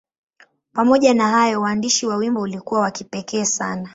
Pamoja na hayo, uandishi wa wimbo ulikuwa wa kipekee sana.